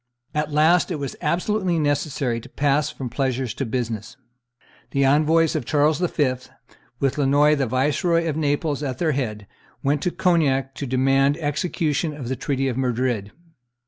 At last it was absolutely necessary to pass from pleasure to business. The envoys of Charles V., with Lannoy, the Viceroy of Naples, at their head, went to Cognac to demand execution of the treaty of Madrid.